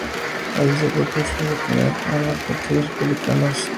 Allí se propuso aglutinar a los partidos republicanos.